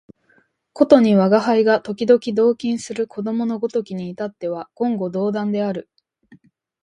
ことに吾輩が時々同衾する子供のごときに至っては言語道断である